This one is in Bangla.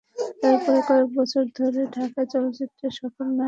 তারপরও কয়েক বছর ধরে ঢাকাই চলচ্চিত্রের সফল নায়ক হলেন শাকিব খান।